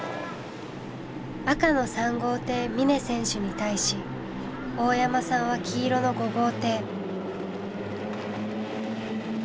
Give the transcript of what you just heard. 赤の３号艇峰選手に対し大山さんは黄色の５号艇。